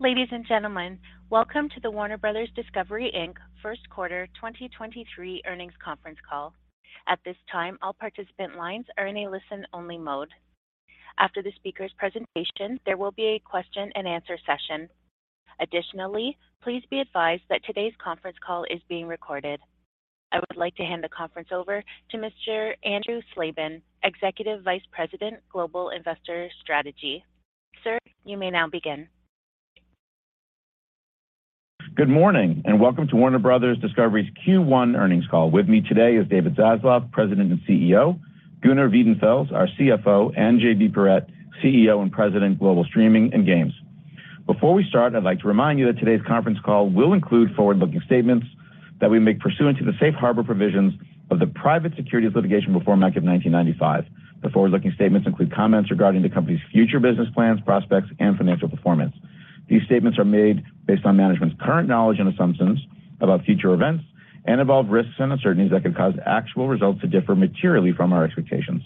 Ladies and gentlemen, welcome to the Warner Bros. Discovery Inc. Q1 2023 Earnings Conference Call. At this time, all participant lines are in a listen only mode. After the speaker's presentation, there will be a question and answer session. Additionally, please be advised that today's conference call is being recorded. I would like to hand the conference over to Mr. Andrew Slabin, Executive Vice President, Global Investor Strategy. Sir, you may now begin. Good morning and welcome to Warner Bros. Discovery's Q1 Earnings Call. With me today is David Zaslav, President and CEO, Gunnar Wiedenfels, our CFO, and JB Perrette, CEO and President, Global Streaming and Games. Before we start, I'd like to remind you that today's conference call will include forward-looking statements that we make pursuant to the safe harbor provisions of the Private Securities Litigation Reform Act of 1995. The forward-looking statements include comments regarding the company's future business plans, prospects, and financial performance. These statements are made based on management's current knowledge and assumptions about future events and involve risks and uncertainties that could cause actual results to differ materially from our expectations.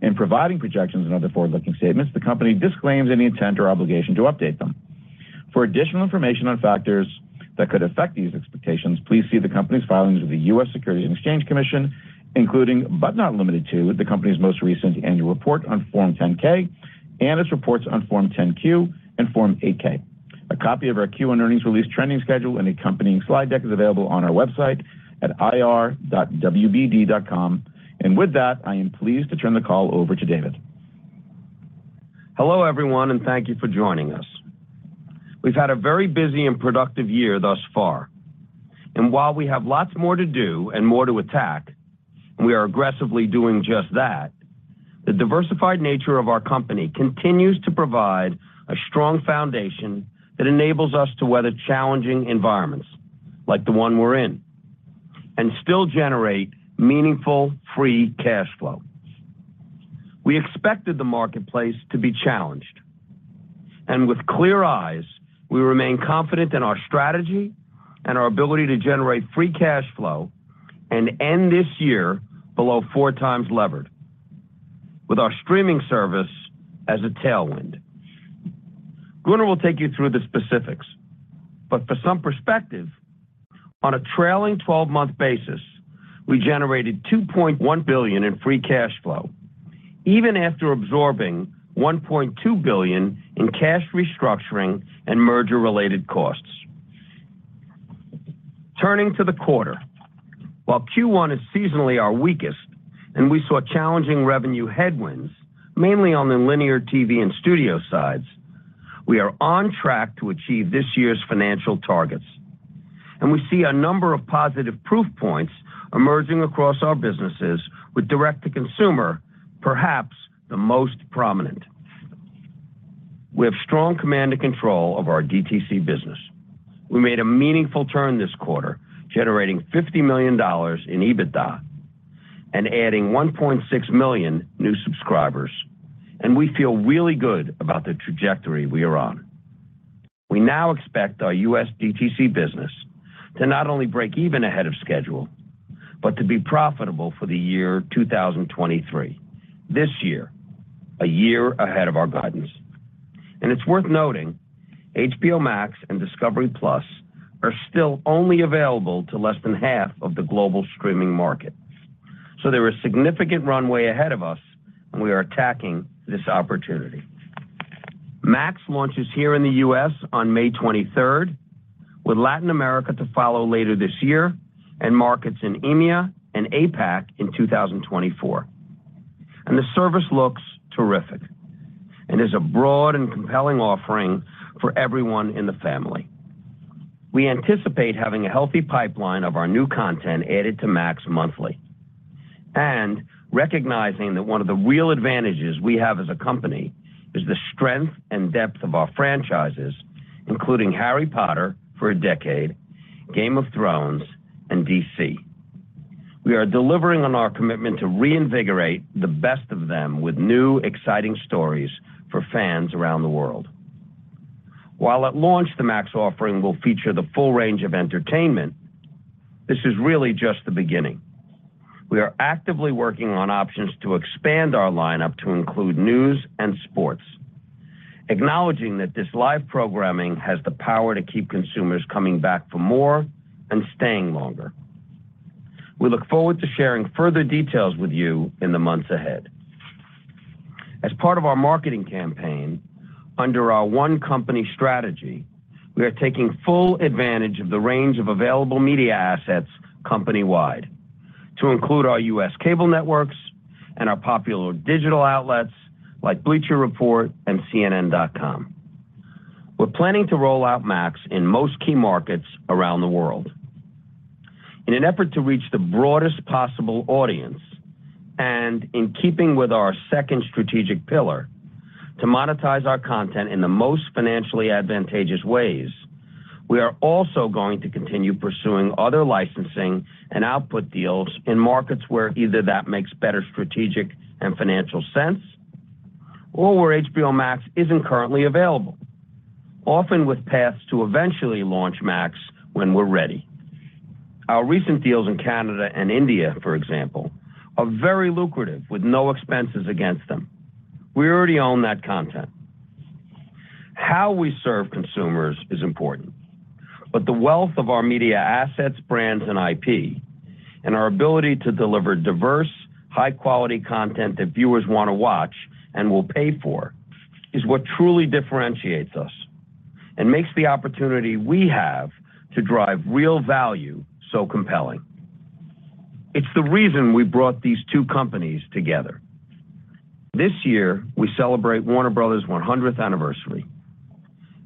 In providing projections and other forward-looking statements, the company disclaims any intent or obligation to update them. For additional information on factors that could affect these expectations, please see the company's filings with the US Securities and Exchange Commission, including, but not limited to, the company's most recent annual report on Form 10-K and its reports on Form 10-Q and Form 8-K. A copy of our Q1 earnings release trending schedule and accompanying slide deck is available on our website at ir.wbd.com. With that, I am pleased to turn the call over to David. Hello everyone, thank you for joining us. We've had a very busy and productive year thus far, and while we have lots more to do and more to attack, and we are aggressively doing just that, the diversified nature of our company continues to provide a strong foundation that enables us to weather challenging environments like the one we're in and still generate meaningful free cash flow. We expected the marketplace to be challenged. With clear eyes, we remain confident in our strategy and our ability to generate free cash flow and end this year below 4x levered with our streaming service as a tailwind. Gunnar will take you through the specifics, but for some perspective, on a trailing 12-month basis, we generated $2.1 billion in free cash flow even after absorbing $1.2 billion in cash restructuring and merger related costs. Turning to the quarter, while Q1 is seasonally our weakest and we saw challenging revenue headwinds, mainly on the linear TV and studio sides, we are on track to achieve this year's financial targets. We see a number of positive proof points emerging across our businesses with direct to consumer, perhaps the most prominent. We have strong command and control of our DTC business. We made a meaningful turn this quarter, generating $50 million in EBITDA and adding 1.6 million new subscribers. We feel really good about the trajectory we are on. We now expect our U.S. DTC business to not only break even ahead of schedule, but to be profitable for the year 2023. This year, a year ahead of our guidance. It's worth noting HBO Max and discovery+ are still only available to less than half of the global streaming market. There is significant runway ahead of us and we are attacking this opportunity. Max launches here in the U.S. on May 23rd, with Latin America to follow later this year and markets in EMEA and APAC in 2024. The service looks terrific and is a broad and compelling offering for everyone in the family. We anticipate having a healthy pipeline of our new content added to Max monthly. Recognizing that one of the real advantages we have as a company is the strength and depth of our franchises, including Harry Potter for a decade, Game of Thrones, and DC. We are delivering on our commitment to reinvigorate the best of them with new, exciting stories for fans around the world. While at launch, the Max offering will feature the full range of entertainment, this is really just the beginning. We are actively working on options to expand our lineup to include news and sports, acknowledging that this live programming has the power to keep consumers coming back for more and staying longer. We look forward to sharing further details with you in the months ahead. As part of our marketing campaign, under our one company strategy, we are taking full advantage of the range of available media assets company-wide to include our U.S. cable networks and our popular digital outlets like Bleacher Report and CNN.com. We're planning to roll out Max in most key markets around the world. In an effort to reach the broadest possible audience, and in keeping with our second strategic pillar to monetize our content in the most financially advantageous ways, we are also going to continue pursuing other licensing and output deals in markets where either that makes better strategic and financial sense or where HBO Max isn't currently available, often with paths to eventually launch Max when we're ready. Our recent deals in Canada and India, for example, are very lucrative with no expenses against them. We already own that content. How we serve consumers is important. The wealth of our media assets, brands, and IP, and our ability to deliver diverse, high quality content that viewers want to watch and will pay for is what truly differentiates us and makes the opportunity we have to drive real value so compelling. It's the reason we brought these two companies together. This year, we celebrate Warner Bros. 100th anniversary.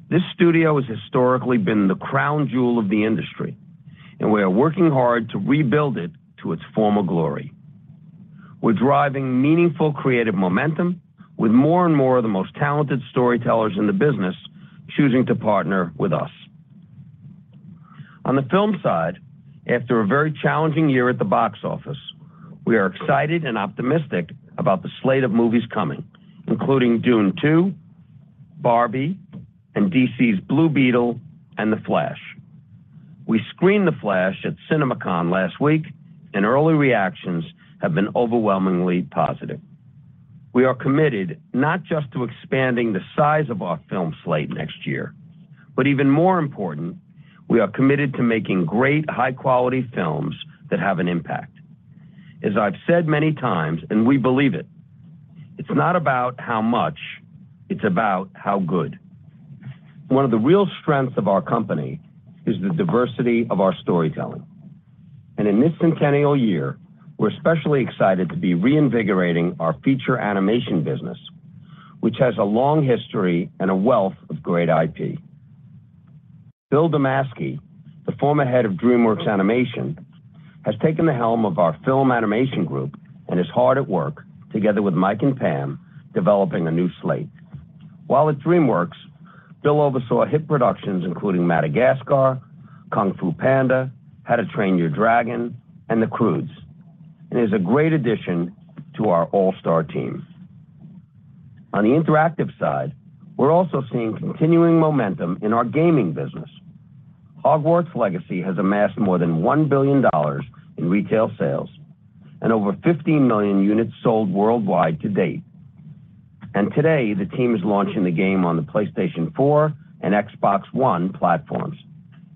This studio has historically been the crown jewel of the industry, and we are working hard to rebuild it to its former glory. We're driving meaningful creative momentum with more and more of the most talented storytellers in the business choosing to partner with us. On the film side, after a very challenging year at the box office, we are excited and optimistic about the slate of movies coming, including Dune: Part Two, Barbie, and DC's Blue Beetle, and The Flash. We screened The Flash at CinemaCon last week, and early reactions have been overwhelmingly positive. We are committed not just to expanding the size of our film slate next year, but even more important, we are committed to making great high quality films that have an impact. As I've said many times, we believe it's not about how much, it's about how good. One of the real strengths of our company is the diversity of our storytelling. In this centennial year, we're especially excited to be reinvigorating our feature animation business, which has a long history and a wealth of great IP. Bill Damaschke, the former head of DreamWorks Animation, has taken the helm of our film animation group and is hard at work together with Mike and Pam, developing a new slate. While at DreamWorks, Bill oversaw hit productions including Madagascar, Kung Fu Panda, How to Train Your Dragon, and The Croods, and is a great addition to our all-star team. On the interactive side, we're also seeing continuing momentum in our gaming business. Hogwarts Legacy has amassed more than $1 billion in retail sales and over 15 million units sold worldwide to date. Today, the team is launching the game on the PlayStation 4 and Xbox One platforms.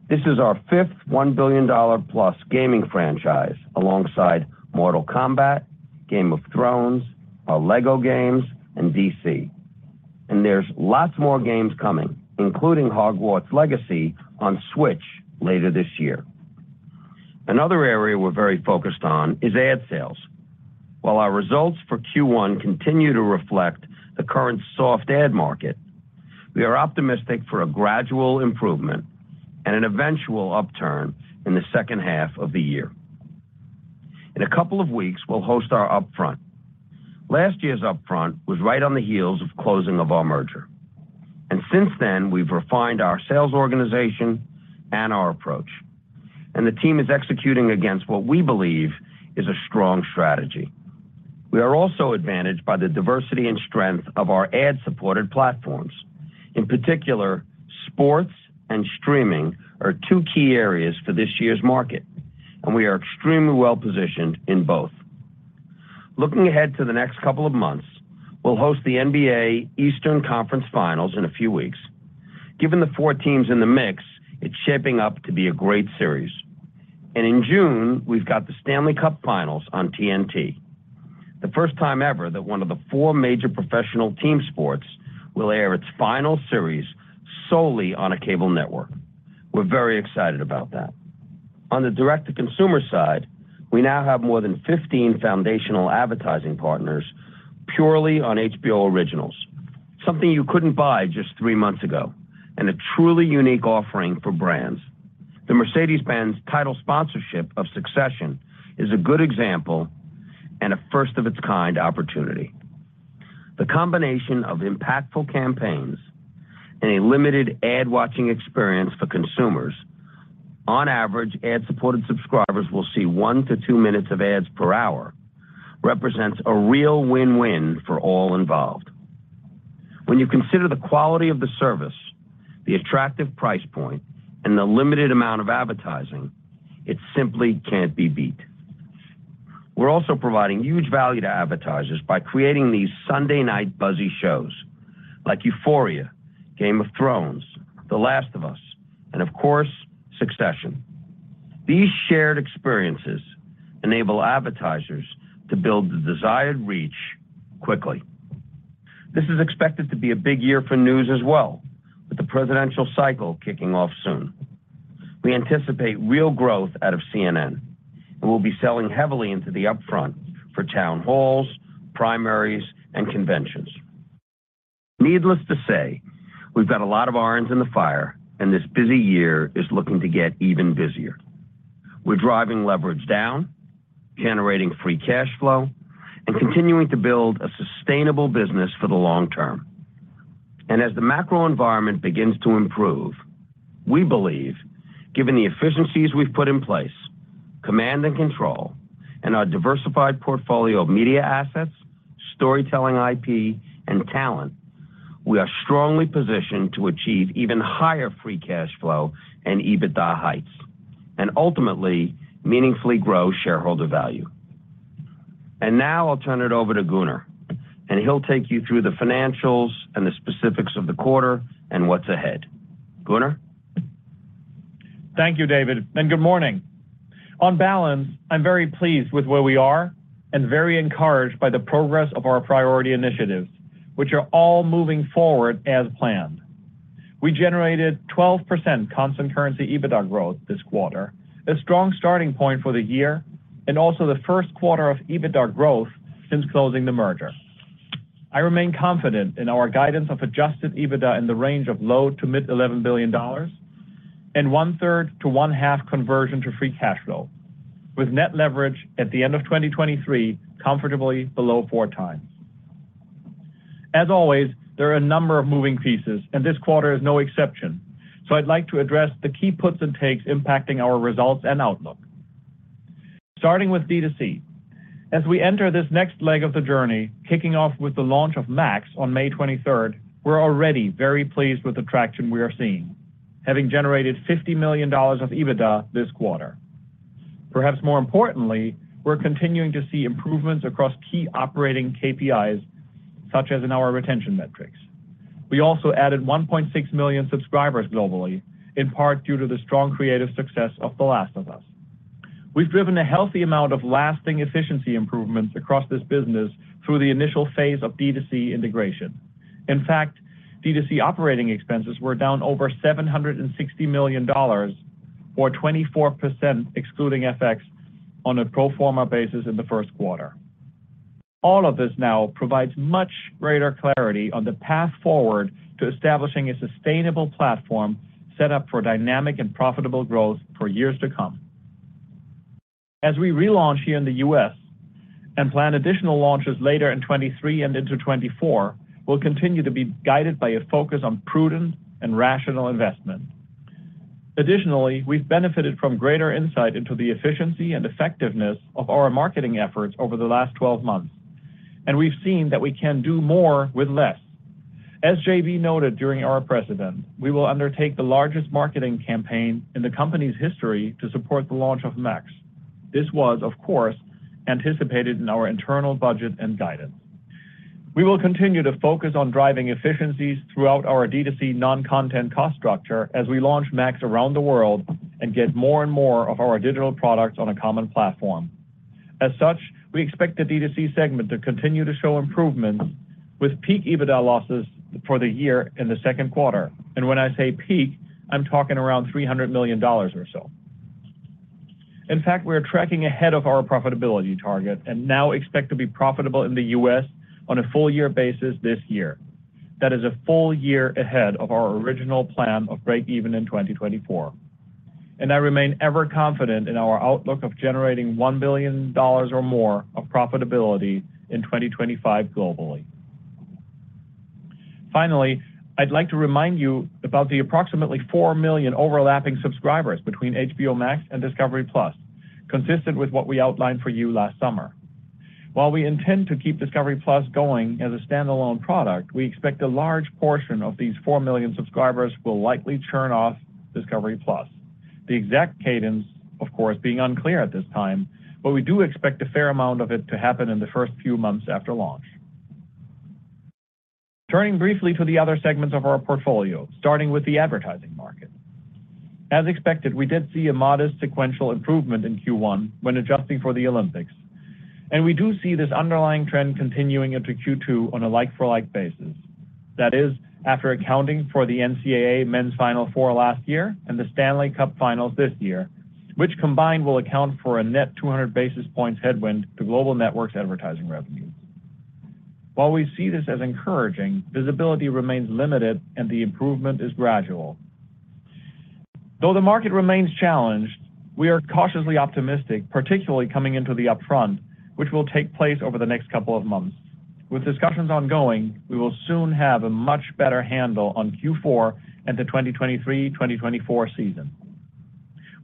This is our fifth $1 billion-plus gaming franchise alongside Mortal Kombat, Game of Thrones, our LEGO Games, and DC. There's lots more games coming, including Hogwarts Legacy on Switch later this year. Another area we're very focused is ad sales. While our results for Q1 continue to reflect the current soft ad market, we are optimistic for a gradual improvement and an eventual upturn in the H2 of the year. In a couple of weeks, we'll host our upfront. Last year's upfront was right on the heels of closing of our merger. Since then, we've refined our sales organization and our approach, and the team is executing against what we believe is a strong strategy. We are also advantaged by the diversity and strength of our ad-supported platforms. In particular, sports and streaming are two key areas for this year's market, we are extremely well-positioned in both. Looking ahead to the next couple of months, we'll host the NBA Eastern Conference Finals in a few weeks. Given the four teams in the mix, it's shaping up to be a great series. In June, we've got the Stanley Cup Finals on TNT. The first time ever that one of the four major professional team sports will air its final series solely on a cable network. We're very excited about that. On the direct-to-consumer side, we now have more than 15 foundational advertising partners purely on HBO originals, something you couldn't buy just three months ago and a truly unique offering for brands. The Mercedes-Benz title sponsorship of Succession is a good example and a first of its kind opportunity. The combination of impactful campaigns and a limited ad-watching experience for consumers, on average, ad-supported subscribers will see one to two minutes of ads per hour, represents a real win-win for all involved. When you consider the quality of the service, the attractive price point, and the limited amount of advertising, it simply can't be beat. We're also providing huge value to advertisers by creating these Sunday night buzzy shows like Euphoria, Game of Thrones, The Last of Us, and of course, Succession. These shared experiences enable advertisers to build the desired reach quickly. This is expected to be a big year for news as well, with the presidential cycle kicking off soon. We anticipate real growth out of CNN, and we'll be selling heavily into the upfront for town halls, primaries, and conventions. Needless to say, we've got a lot of irons in the fire, and this busy year is looking to get even busier. We're driving leverage down, generating free cash flow, and continuing to build a sustainable business for the long term. As the macro environment begins to improve, we believe given the efficiencies we've put in place, command and control, and our diversified portfolio of media assets, storytelling IP, and talent. We are strongly positioned to achieve even higher free cash flow and EBITDA heights and ultimately meaningfully grow shareholder value. Now I'll turn it over to Gunnar, and he'll take you through the financials and the specifics of the quarter and what's ahead. Gunnar? Thank you, David. Good morning. On balance, I'm very pleased with where we are and very encouraged by the progress of our priority initiatives, which are all moving forward as planned. We generated 12% constant currency EBITDA growth this quarter, a strong starting point for the year and also the Q1 of EBITDA growth since closing the merger. I remain confident in our guidance of adjusted EBITDA in the range of low to mid-$11 billion and one third to one half conversion to free cash flow, with net leverage at the end of 2023 comfortably below 4x. As always, there are a number of moving pieces. This quarter is no exception. I'd like to address the key puts and takes impacting our results and outlook. Starting with D2C. As we enter this next leg of the journey, kicking off with the launch of Max on May 23rd, we're already very pleased with the traction we are seeing, having generated $50 million of EBITDA this quarter. Perhaps more importantly, we're continuing to see improvements across key operating KPIs, such as in our retention metrics. We also added 1.6 million subscribers globally, in part due to the strong creative success of The Last of Us. We've driven a healthy amount of lasting efficiency improvements across this business through the initial phase of D2C integration. In fact, D2C operating expenses were down over $760 million or 24%, excluding FX, on a pro forma basis in the Q1. All of this now provides much greater clarity on the path forward to establishing a sustainable platform set up for dynamic and profitable growth for years to come. As we relaunch here in the U.S. and plan additional launches later in 2023 and into 2024, we'll continue to be guided by a focus on prudent and rational investment. Additionally, we've benefited from greater insight into the efficiency and effectiveness of our marketing efforts over the last 12 months, and we've seen that we can do more with less. As JB noted during our precedent, we will undertake the largest marketing campaign in the company's history to support the launch of Max. This was, of course, anticipated in our internal budget and guidance. We will continue to focus on driving efficiencies throughout our D2C non-content cost structure as we launch Max around the world and get more and more of our digital products on a common platform. As such, we expect the D2C segment to continue to show improvement with peak EBITDA losses for the year in the Q2. When I say peak, I'm talking around $300 million or so. In fact, we are tracking ahead of our profitability target and now expect to be profitable in the U.S. on a full year basis this year. That is a full year ahead of our original plan of breakeven in 2024. I remain ever confident in our outlook of generating $1 billion or more of profitability in 2025 globally. Finally, I'd like to remind you about the approximately 4 million overlapping subscribers between HBO Max and discovery+, consistent with what we outlined for you last summer. While we intend to keep discovery+ going as a standalone product, we expect a large portion of these 4 million subscribers will likely churn off discovery+. The exact cadence, of course, being unclear at this time. We do expect a fair amount of it to happen in the first few months after launch. Turning briefly to the other segments of our portfolio, starting with the advertising market. As expected, we did see a modest sequential improvement in Q1 when adjusting for the Olympics. We do see this underlying trend continuing into Q2 on a like-for-like basis. That is, after accounting for the NCAA Men's Final Four last year and the Stanley Cup Finals this year, which combined will account for a net 200 basis points headwind to global networks advertising revenue. While we see this as encouraging, visibility remains limited and the improvement is gradual. Though the market remains challenged, we are cautiously optimistic, particularly coming into the upfront, which will take place over the next couple of months. With discussions ongoing, we will soon have a much better handle on Q4 and the 2023/2024 season.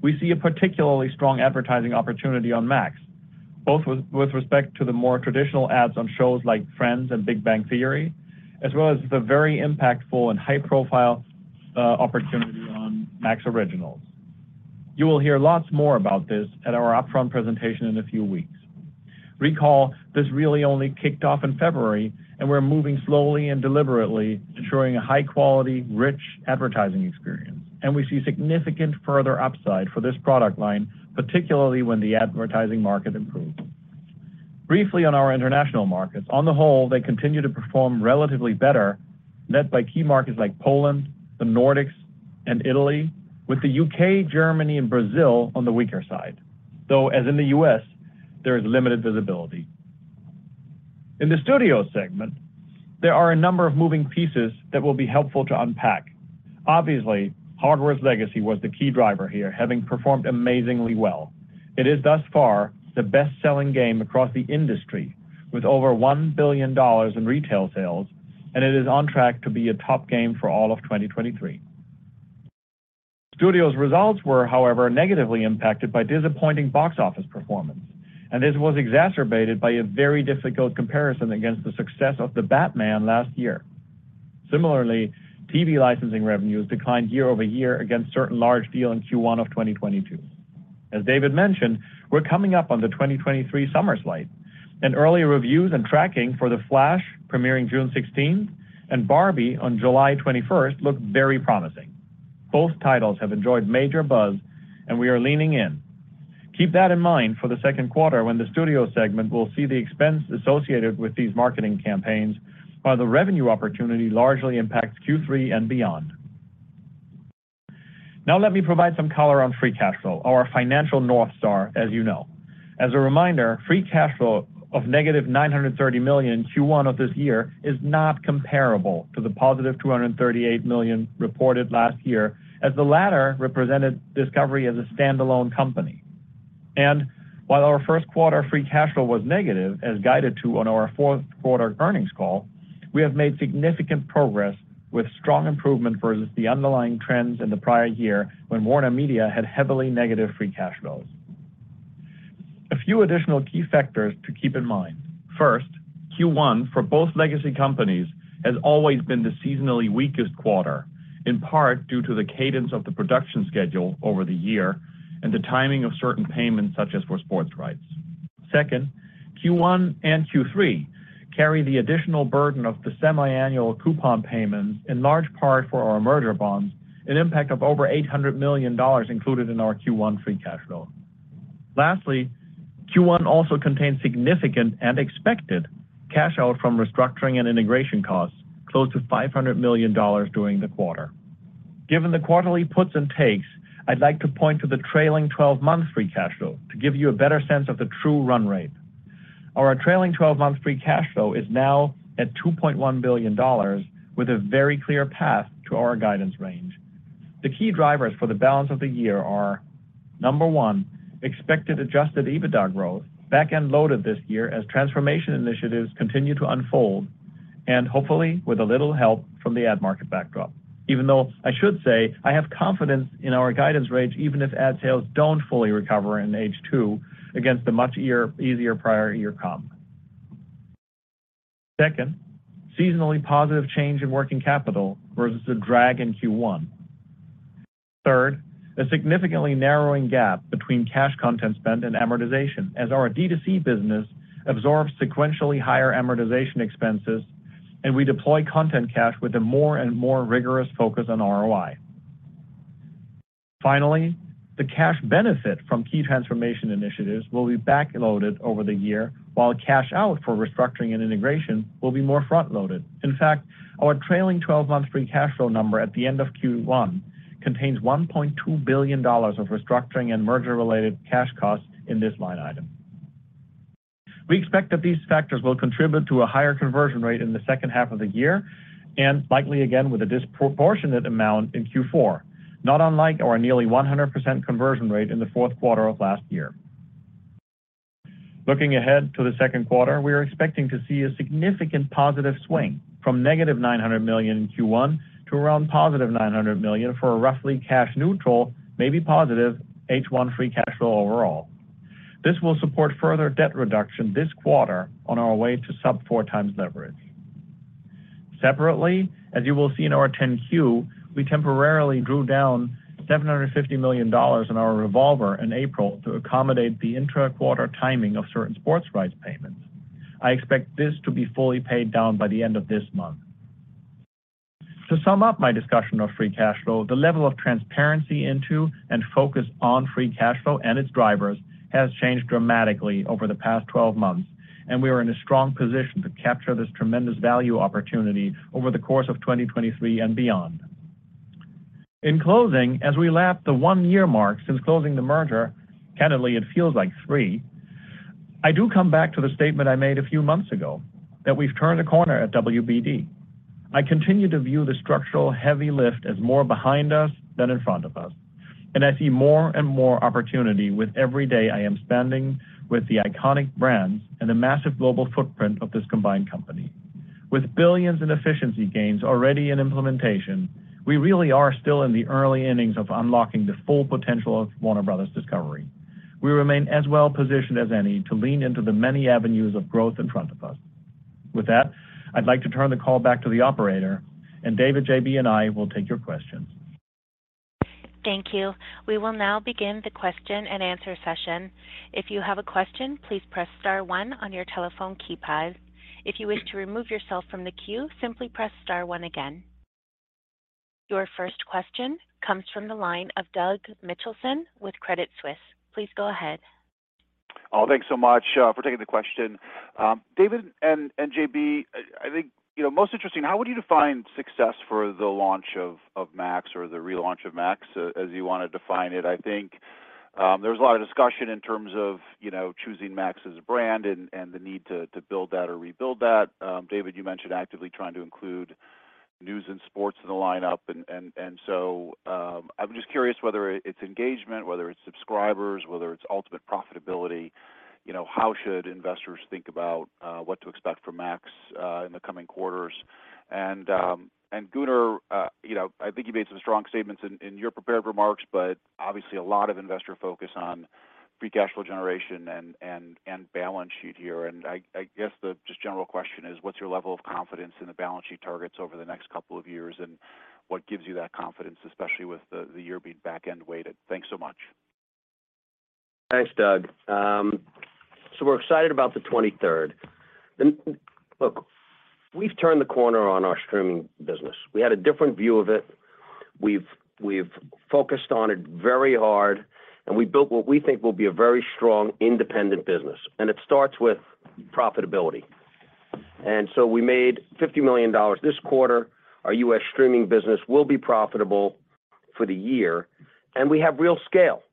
We see a particularly strong advertising opportunity on Max, both with respect to the more traditional ads on shows like Friends and Big Bang Theory, as well as the very impactful and high-profile opportunity on Max originals. You will hear lots more about this at our upfront presentation in a few weeks. Recall, this really only kicked off in February and we're moving slowly and deliberately ensuring a high quality, rich advertising experience. We see significant further upside for this product line, particularly when the advertising market improves. Briefly on our international markets. On the whole, they continue to perform relatively better, led by key markets like Poland, the Nordics, and Italy, with the U.K., Germany, and Brazil on the weaker side. As in the U.S., there is limited visibility. In the studio segment, there are a number of moving pieces that will be helpful to unpack. Obviously, Hogwarts Legacy was the key driver here, having performed amazingly well. It is thus far the best-selling game across the industry with over $1 billion in retail sales, it is on track to be a top game for all of 2023. Studio's results were, however, negatively impacted by disappointing box office performance, this was exacerbated by a very difficult comparison against the success of The Batman last year. Similarly, TV licensing revenues declined year-over-year against certain large deals in Q1 of 2022. As David mentioned, we're coming up on the 2023 summer slate and early reviews and tracking for The Flash, premiering June 16th, and Barbie on July 21st look very promising. Both titles have enjoyed major buzz, we are leaning in. Keep that in mind for the Q2 when the studio segment will see the expense associated with these marketing campaigns, while the revenue opportunity largely impacts Q3 and beyond. Now let me provide some color on free cash flow, our financial North Star, as you know. As a reminder, free cash flow of -$930 million Q1 of this year is not comparable to the +$238 million reported last year, as the latter represented Discovery as a standalone company. While our Q1 free cash flow was negative, as guided to on our Q4 earnings call, we have made significant progress with strong improvement versus the underlying trends in the prior year when WarnerMedia had heavily negative free cash flows. A few additional key factors to keep in mind. First, Q1 for both legacy companies has always been the seasonally weakest quarter, in part due to the cadence of the production schedule over the year and the timing of certain payments, such as for sports rights. Q1 and Q3 carry the additional burden of the semiannual coupon payments, in large part for our merger bonds, an impact of over $800 million included in our Q1 free cash flow. Q1 also contains significant and expected cash out from restructuring and integration costs, close to $500 million during the quarter. Given the quarterly puts and takes, I'd like to point to the trailing 12 months free cash flow to give you a better sense of the true run rate. Our trailing 12 months free cash flow is now at $2.1 billion with a very clear path to our guidance range. The key drivers for the balance of the year are, number one, expected adjusted EBITDA growth, back-end loaded this year as transformation initiatives continue to unfold and hopefully with a little help from the ad market backdrop. Even though I should say I have confidence in our guidance range, even if ad sales don't fully recover in H2 against the much year, easier prior year comp. Second, seasonally positive change in working capital versus the drag in Q1. Third, a significantly narrowing gap between cash content spend and amortization as our D2C business absorbs sequentially higher amortization expenses and we deploy content cash with a more and more rigorous focus on ROI. Finally, the cash benefit from key transformation initiatives will be back-loaded over the year, while cash out for restructuring and integration will be more front-loaded. In fact, our trailing 12 months free cash flow number at the end of Q1 contains $1.2 billion of restructuring and merger-related cash costs in this line item. We expect that these factors will contribute to a higher conversion rate in the H2 of the year and likely again with a disproportionate amount in Q4, not unlike our nearly 100% conversion rate in the Q4 of last year. Looking ahead to the Q2, we are expecting to see a significant positive swing from -$900 million in Q1 to around +$900 million for a roughly cash neutral, maybe positive H1 free cash flow overall. This will support further debt reduction this quarter on our way to sub 4x leverage. Separately, as you will see in our 10-Q, we temporarily drew down $750 million in our revolver in April to accommodate the intra-quarter timing of certain sports rights payments. I expect this to be fully paid down by the end of this month. To sum up my discussion of free cash flow, the level of transparency into and focus on free cash flow and its drivers has changed dramatically over the past 12 months. We are in a strong position to capture this tremendous value opportunity over the course of 2023 and beyond. In closing, as we lap the one-year mark since closing the merger, candidly, it feels like three. I do come back to the statement I made a few months ago that we've turned a corner at WBD. I continue to view the structural heavy lift as more behind us than in front of us. I see more and more opportunity with every day I am spending with the iconic brands and the massive global footprint of this combined company. With billions in efficiency gains already in implementation, we really are still in the early innings of unlocking the full potential of Warner Bros. Discovery. We remain as well positioned as any to lean into the many avenues of growth in front of us. With that, I'd like to turn the call back to the operator. David, JB, and I will take your questions. Thank you. We will now begin the question and answer session. If you have a question, please press star one on your telephone keypad. If you wish to remove yourself from the queue, simply press star one again. Your first question comes from the line of Doug Mitchelson with Credit Suisse. Please go ahead. Oh, thanks so much for taking the question. David and JB, I think, you know, most interesting, how would you define success for the launch of Max or the relaunch of Max as you want to define it? I think there was a lot of discussion in terms of, you know, choosing Max as a brand and the need to build that or rebuild that. David, you mentioned actively trying to include news and sports in the lineup. I'm just curious whether it's engagement, whether it's subscribers, whether it's ultimate profitability. You know, how should investors think about what to expect from Max in the coming quarters? Gunnar, you know, I think you made some strong statements in your prepared remarks, but obviously a lot of investor focus on free cash flow generation and balance sheet here. I guess the just general question is what's your level of confidence in the balance sheet targets over the next couple of years, and what gives you that confidence, especially with the year being back-end weighted? Thanks so much. Thanks, Doug. We're excited about the 23rd. Look, we've turned the corner on our streaming business. We had a different view of it. We've focused on it very hard, we built what we think will be a very strong independent business, it starts with profitability. We made $50 million this quarter. Our U.S. streaming business will be profitable for the year, we have real scale.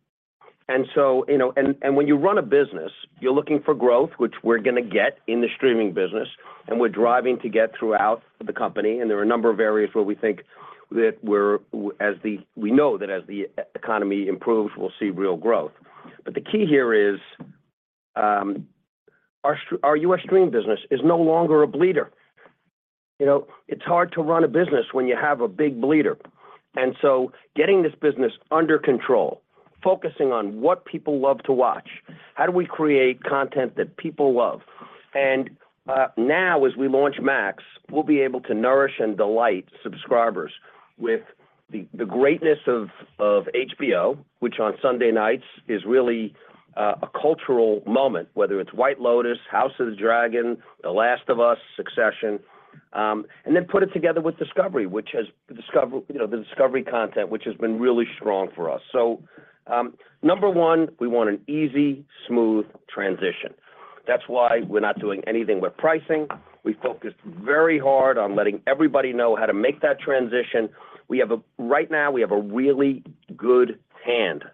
You know, and when you run a business, you're looking for growth, which we're going to get in the streaming business, we're driving to get throughout the company. There are a number of areas where we think that we know that as the economy improves, we'll see real growth. The key here is, our U.S. streaming business is no longer a bleeder. You know, it's hard to run a business when you have a big bleeder. Getting this business under control, focusing on what people love to watch, how do we create content that people love? Now as we launch Max, we'll be able to nourish and delight subscribers with the greatness of HBO, which on Sunday nights is really a cultural moment, whether it's White Lotus, House of the Dragon, The Last of Us, Succession, and then put it together with Discovery, which has, you know, the Discovery content, which has been really strong for us. Number one, we want an easy, smooth transition. That's why we're not doing anything with pricing. We focused very hard on letting everybody know how to make that transition. Right now, we have a really good hand.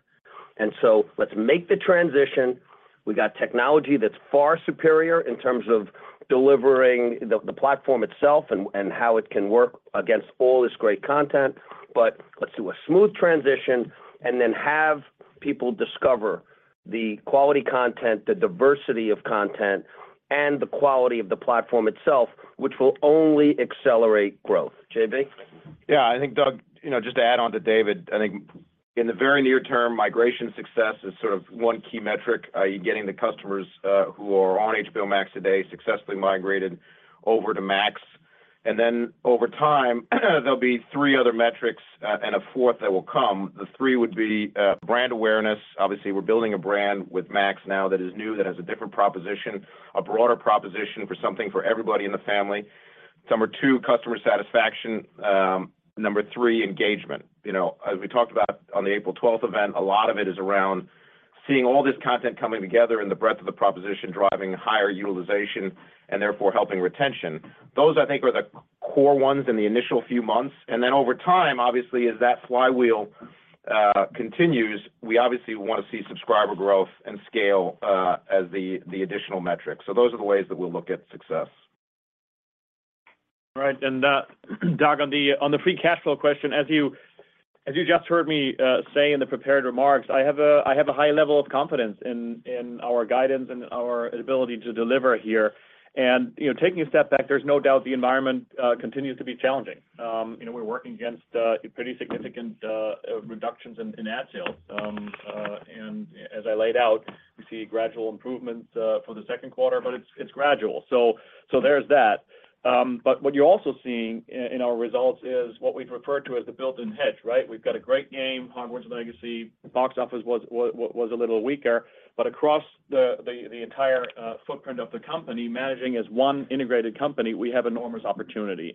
Let's make the transition. We got technology that's far superior in terms of delivering the platform itself and how it can work against all this great content. Let's do a smooth transition. Have people discover the quality content, the diversity of content, and the quality of the platform itself, which will only accelerate growth. JB? I think, Doug, you know, just to add on to David, I think in the very near term, migration success is one key metric. Are you getting the customers who are on HBO Max today successfully migrated over to Max? Over time, there'll be three other metrics and a fourth that will come. The three would be brand awareness. Obviously, we're building a brand with Max now that is new, that has a different proposition, a broader proposition for something for everybody in the family. Number two, customer satisfaction. Number three, engagement. You know, as we talked about on the April twelfth event, a lot of it is around seeing all this content coming together and the breadth of the proposition driving higher utilization and therefore helping retention. Those, I think, are the core ones in the initial few months. Over time, obviously, as that flywheel continues, we obviously want to see subscriber growth and scale, as the additional metrics. Those are the ways that we'll look at success. All right. Doug, on the free cash flow question, as you just heard me say in the prepared remarks, I have a high level of confidence in our guidance and our ability to deliver here. You know, taking a step back, there's no doubt the environment continues to be challenging. You know, we're working against pretty significant reductions in ad sales. As I laid out, we see gradual improvement for the Q2, but it's gradual. There's that. What you're also seeing in our results is what we've referred to as the built-in hedge, right? We've got a great game, Hogwarts Legacy. Box office was a little weaker, but across the entire footprint of the company, managing as one integrated company, we have enormous opportunity.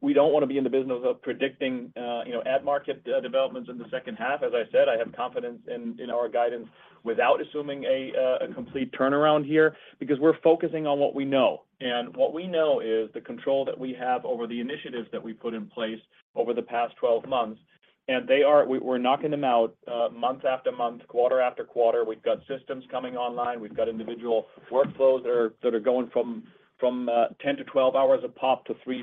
We don't want to be in the business of predicting, you know, ad market developments in the H2. As I said, I have confidence in our guidance without assuming a complete turnaround here because we're focusing on what we know. What we know is the control that we have over the initiatives that we put in place over the past 12 months, and we're knocking them out month after month, quarter after quarter. We've got systems coming online. We've got individual workflows that are going from 10 to 12 hours a pop to 3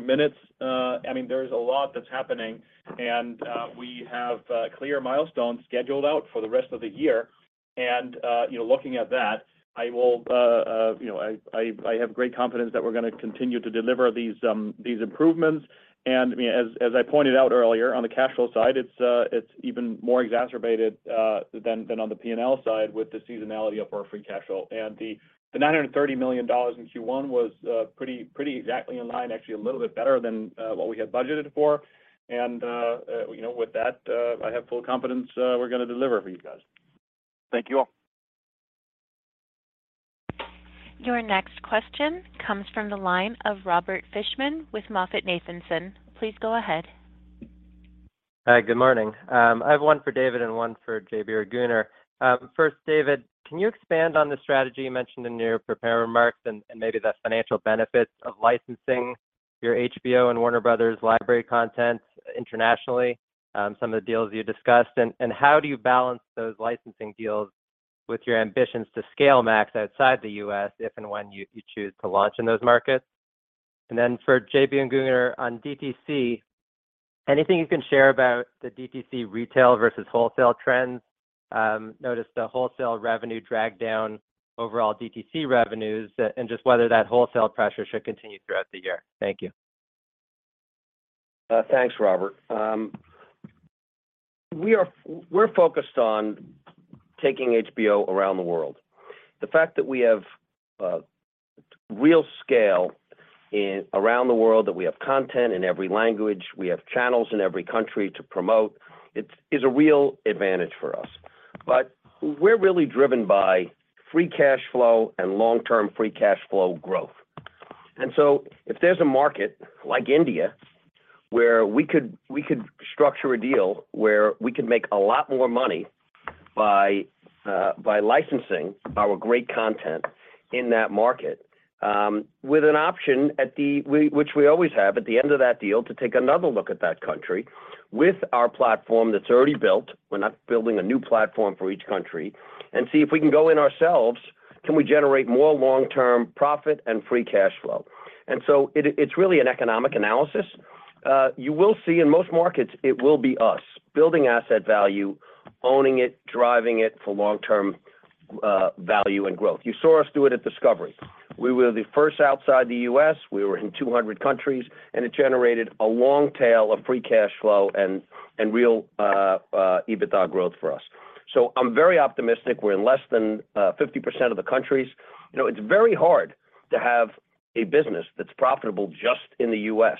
minutes. I mean, there's a lot that's happening, and we have clear milestones scheduled out for the rest of the year. you know, looking at that, I will, you know, I have great confidence that we're going to continue to deliver these improvements. I mean, as I pointed out earlier, on the cash flow side, it's even more exacerbated than on the P&L side with the seasonality of our free cash flow. The $930 million in Q1 was pretty exactly in line, actually a little bit better than what we had budgeted for. you know, with that, I have full confidence, we're going to deliver for you guys. Thank you all. Your next question comes from the line of Robert Fishman with MoffettNathanson. Please go ahead. Hi. Good morning. I have one for David and one for JB or Gunnar. First, David, can you expand on the strategy you mentioned in your prepared remarks and maybe the financial benefits of licensing your HBO and Warner Bros. library content internationally, some of the deals you discussed? How do you balance those licensing deals with your ambitions to scale Max outside the US if and when you choose to launch in those markets? For JB and Gunnar on DTC, anything you can share about the DTC retail versus wholesale trends? Noticed the wholesale revenue dragged down overall DTC revenues and just whether that wholesale pressure should continue throughout the year. Thank you. Thanks, Robert. We're focused on taking HBO around the world. The fact that we have real scale around the world, that we have content in every language, we have channels in every country to promote, is a real advantage for us. We're really driven by free cash flow and long-term free cash flow growth. If there's a market like India, where we could structure a deal where we could make a lot more money by licensing our great content in that market, with an option which we always have at the end of that deal to take another look at that country with our platform that's already built. We're not building a new platform for each country and see if we can go in ourselves, can we generate more long-term profit and free cash flow? It's really an economic analysis. You will see in most markets it will be us building asset value, owning it, driving it for long-term value and growth. You saw us do it at Discovery. We were the first outside the U.S. We were in 200 countries, and it generated a long tail of free cash flow and real EBITDA growth for us. I'm very optimistic. We're in less than 50% of the countries. You know, it's very hard to have a business that's profitable just in the U.S.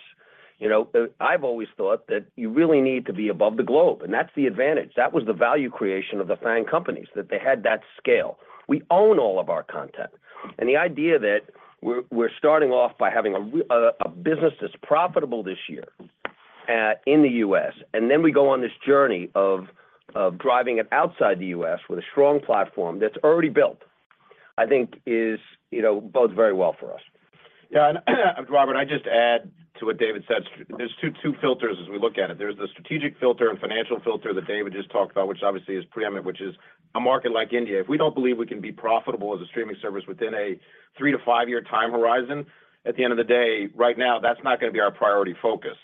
You know, I've always thought that you really need to be above the globe, and that's the advantage. That was the value creation of the FANG companies, that they had that scale. We own all of our content. The idea that we're starting off by having a business that's profitable this year in the U.S., and then we go on this journey of driving it outside the U.S. with a strong platform that's already built, I think is, you know, bodes very well for us. Yeah, Robert, I'd just add to what David said. There's two filters as we look at it. There's the strategic filter and financial filter that David just talked about, which obviously is preeminent, which is a market like India. If we don't believe we can be profitable as a streaming service within a 3 to 5-year time horizon, at the end of the day, right now, that's not going to be our priority focus.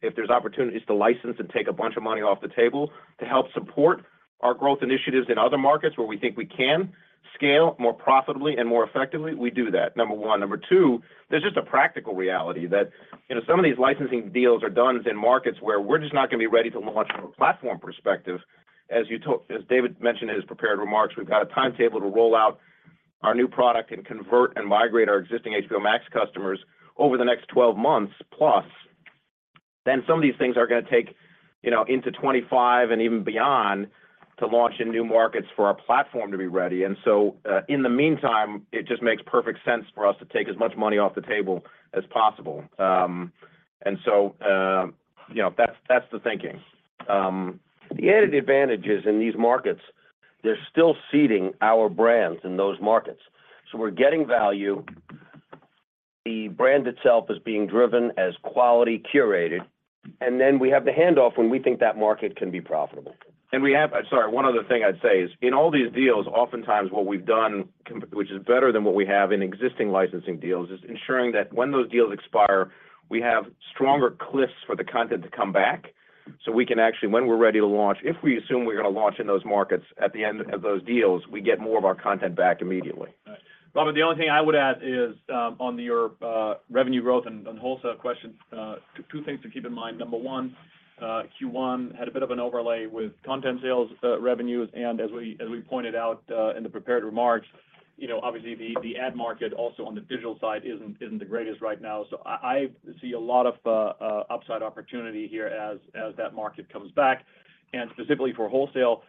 If there's opportunities to license and take a bunch of money off the table to help support our growth initiatives in other markets where we think we can scale more profitably and more effectively, we do that, number one. Number two, there's just a practical reality that, you know, some of these licensing deals are done in markets where we're just not going to be ready to launch from a platform perspective. As David mentioned in his prepared remarks, we've got a timetable to roll out our new product and convert and migrate our existing HBO Max customers over the next 12 months plus. Some of these things are going to take, you know, into 2025 and even beyond to launch in new markets for our platform to be ready. In the meantime, it just makes perfect sense for us to take as much money off the table as possible. You know, that's the thinking. The added advantage is in these markets, they're still seeding our brands in those markets. We're getting value. The brand itself is being driven as quality curated, we have the handoff when we think that market can be profitable. Sorry, one other thing I'd say is in all these deals, oftentimes what we've done, which is better than what we have in existing licensing deals, is ensuring that when those deals expire, we have stronger cliffs for the content to come back. We can actually, when we're ready to launch, if we assume we're going to launch in those markets at the end of those deals, we get more of our content back immediately. Robert, the only thing I would add is on your revenue growth and wholesale question, two things to keep in mind. Number one, Q1 had a bit of an overlay with content sales revenues. As we pointed out in the prepared remarks, you know, obviously the ad market also on the digital side isn't the greatest right now. I see a lot of upside opportunity here as that market comes back. Specifically for wholesale,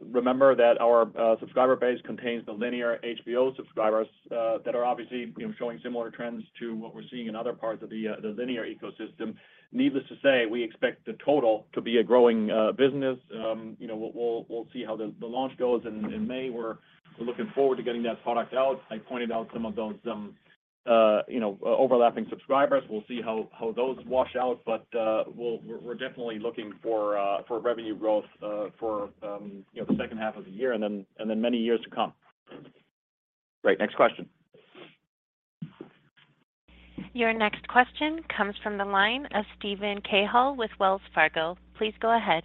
remember that our subscriber base contains the linear HBO subscribers that are obviously, you know, showing similar trends to what we're seeing in other parts of the linear ecosystem. Needless to say, we expect the total to be a growing business. You know, we'll see how the launch goes in May. We're looking forward to getting that product out. I pointed out some of those, you know, overlapping subscribers. We'll see how those wash out, but we're definitely looking for revenue growth for, you know, the H2 of the year and then many years to come. Great. Next question. Your next question comes from the line of Steven Cahall with Wells Fargo. Please go ahead.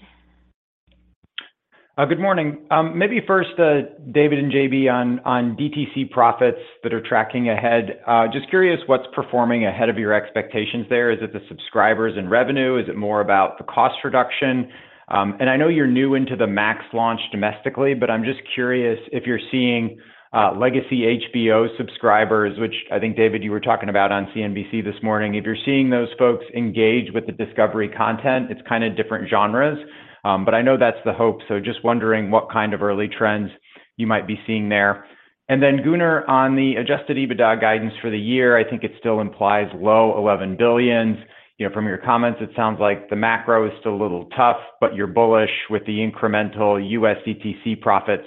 Good morning. Maybe first, David and JB on DTC profits that are tracking ahead. Just curious what's performing ahead of your expectations there. Is it the subscribers and revenue? Is it more about the cost reduction? I know you're new into the Max launch domestically, but I'm just curious if you're seeing legacy HBO subscribers, which I think, David, you were talking about on CNBC this morning. If you're seeing those folks engage with the Discovery content, it's different genres. I know that's the hope. Just wondering what early trends you might be seeing there. Gunnar, on the adjusted EBITDA guidance for the year, I think it still implies low $11 billion. You know, from your comments, it sounds like the macro is still a little tough, but you're bullish with the incremental U.S. DTC profits.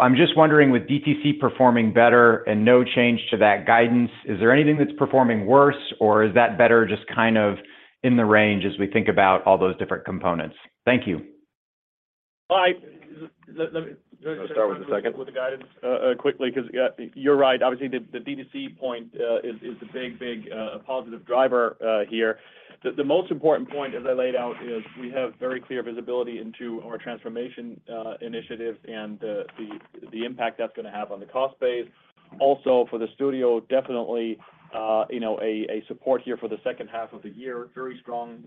I'm just wondering with DTC performing better and no change to that guidance, is there anything that's performing worse, or is that better just in the range as we think about all those different components? Thank you. Hi. I'm going to start with the second. Start with the guidance, quickly because, you're right, obviously the D2C point, is a big, big, positive driver, here. The most important point as I laid out is we have very clear visibility into our transformation, initiatives and the impact that's going to have on the cost base. Also for the studio, definitely, you know, a support here for the H2 of the year. Very strong,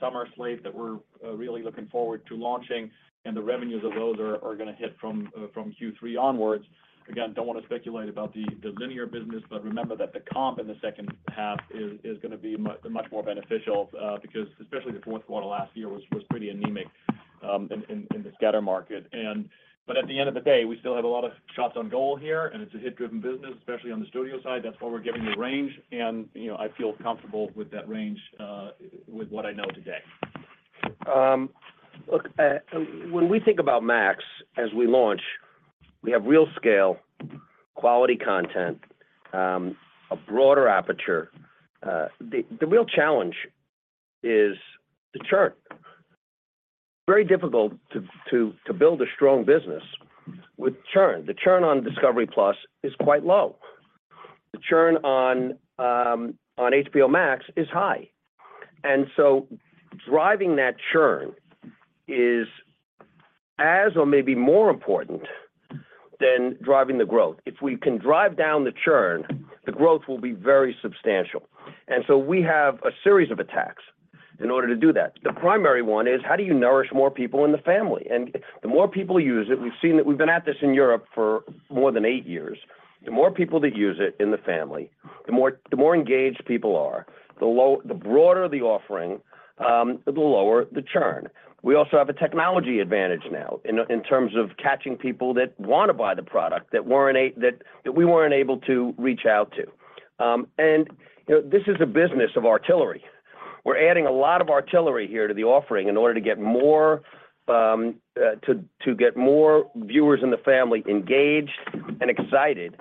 summer slate that we're, really looking forward to launching and the revenues of those are going to hit from Q3 onwards. Don't want to speculate about the linear business, but remember that the comp in the H2 is going to be much more beneficial, because especially the Q4 last year was pretty anemic, in the scatter market. At the end of the day, we still have a lot of shots on goal here, and it's a hit-driven business, especially on the studio side. That's why we're giving the range and, you know, I feel comfortable with that range, with what I know today. Look, when we think about Max as we launch, we have real scale, quality content, a broader aperture. The real challenge is the churn. Very difficult to build a strong business with churn. The churn on discovery+ is quite low. The churn on HBO Max is high. Driving that churn is as or maybe more important than driving the growth. If we can drive down the churn, the growth will be very substantial. We have a series of attacks in order to do that. The primary one is how do you nourish more people in the family? The more people use it, we've seen that we've been at this in Europe for more than 8 years. The more people that use it in the family, the more engaged people are, the broader the offering, the lower the churn. We also have a technology advantage now in terms of catching people that want to buy the product that weren't able to reach out to. You know, this is a business of artillery. We're adding a lot of artillery here to the offering in order to get more to get more viewers in the family engaged and excited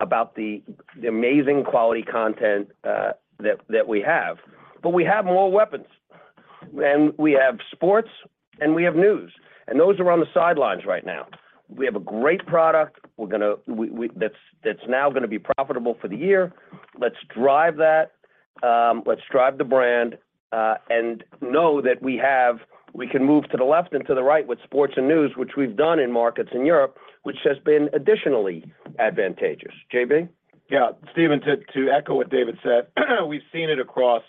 about the amazing quality content that we have. We have more weapons and we have sports and we have news, and those are on the sidelines right now. We have a great product. That's now going to be profitable for the year. Let's drive that. Let's drive the brand, and know that we can move to the left and to the right with sports and news, which we've done in markets in Europe, which has been additionally advantageous. JB. Yeah. Steven, to echo what David said, we've seen it across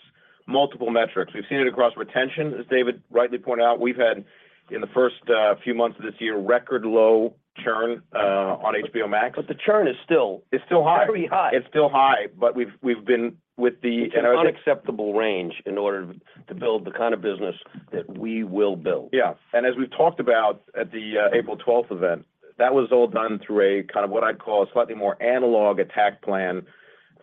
multiple metrics. We've seen it across retention. As David rightly pointed out, we've had in the first few months of this year, record low churn on HBO Max. The churn is still- It's still high. very high. It's still high, but we've been with the-. It's an unacceptable range in order to build the business that we will build. Yeah. As we've talked about at the April 12th event, that was all done through a what I'd call a slightly more analog attack plan.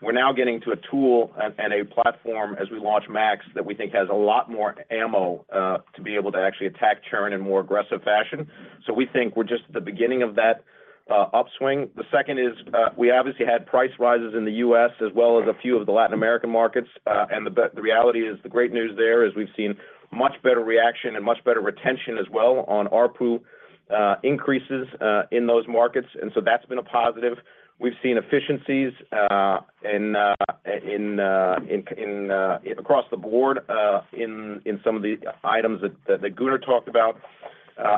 We're now getting to a tool and a platform as we launch Max that we think has a lot more ammo to be able to actually attack churn in more aggressive fashion. We think we're just at the beginning of that upswing. The second is, we obviously had price rises in the US as well as a few of the Latin American markets. The reality is the great news there is we've seen much better reaction and much better retention as well on ARPU increases in those markets. That's been a positive. We've seen efficiencies, in across the board, in some of the items that Gunnar talked about.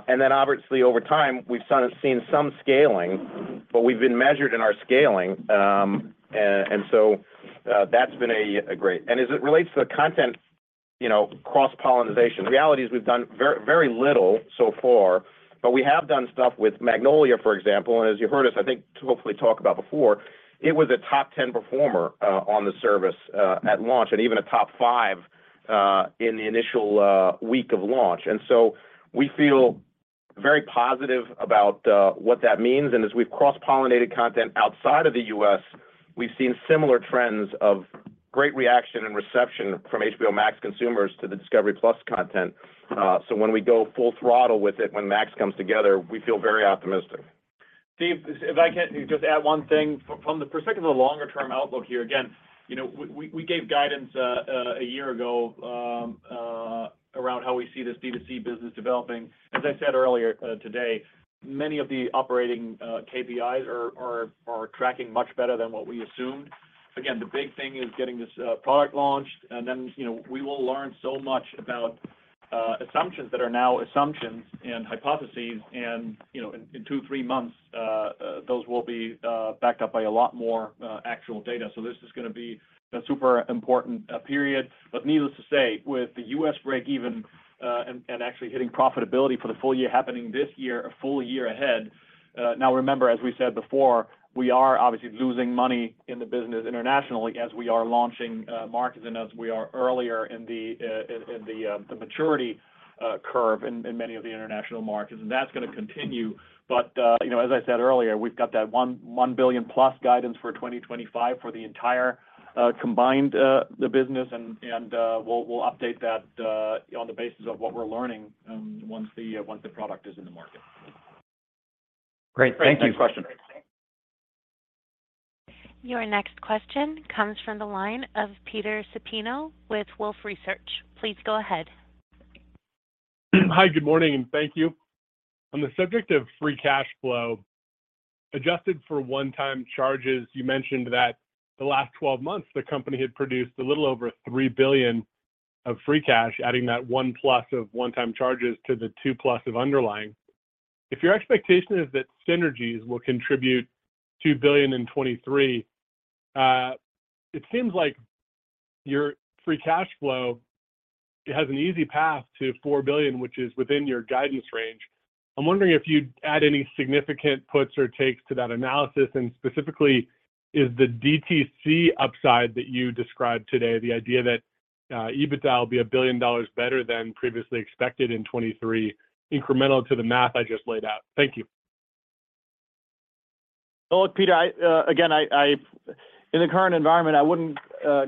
Obviously over time we've seen some scaling, but we've been measured in our scaling. That's been a great... As it relates to the content, you know, cross-pollinization, reality is we've done very little so far, but we have done stuff with Magnolia, for example. As you heard us, I think, hopefully talk about before, it was a top 10 performer, on the service, at launch and even a top 5, in the initial, week of launch. We feel very positive about, what that means. As we've cross-pollinated content outside of the U.S., we've seen similar trends of great reaction and reception from HBO Max consumers to the discovery+ content. When we go full throttle with it when Max comes together, we feel very optimistic. Steve, if I can just add one thing. From the perspective of the longer term outlook here, again, you know, we gave guidance a year ago around how we see this D2C business developing. As I said earlier, today, many of the operating KPIs are tracking much better than what we assumed. Again, the big thing is getting this product launched, and then, you know, we will learn so much about assumptions that are now assumptions and hypotheses and, you know, in 2, 3 months, those will be backed up by a lot more actual data. This is going to be a super important period. Needless to say, with the U.S. breakeven and actually hitting profitability for the full year happening this year, a full year ahead. Now remember as we said before, we are obviously losing money in the business internationally as we are launching markets and as we are earlier in the maturity curve in many of the international markets, and that's going to continue. You know, as I said earlier, we've got that $1 billion-plus guidance for 2025 for the entire combined business and we'll update that on the basis of what we're learning once the product is in the market. Great. Thank you. Next question. Your next question comes from the line of Peter Supino with Wolfe Research. Please go ahead. Hi, good morning, thank you. On the subject of free cash flow, adjusted for one-time charges, you mentioned that the last 12 months the company had produced a little over $3 billion of free cash, adding that 1 plus of one-time charges to the 2 plus of underlying. If your expectation is that synergies will contribute $2 billion in 2023, it seems like your free cash flow has an easy path to $4 billion, which is within your guidance range. I'm wondering if you'd add any significant puts or takes to that analysis. Specifically, is the DTC upside that you described today, the idea that EBITDA will be $1 billion better than previously expected in 2023 incremental to the math I just laid out? Thank you. Look, Peter, I, again, I in the current environment, I wouldn't